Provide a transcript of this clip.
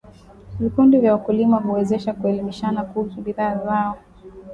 Vikundi vya wakulima huwezesha kuelimishana kuhusu bidhaa zao